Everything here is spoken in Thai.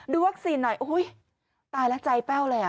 วัคซีนหน่อยตายแล้วใจแป้วเลย